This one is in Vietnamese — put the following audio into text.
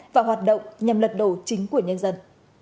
và hoạt động nhằm lật đổ chính của nhân dân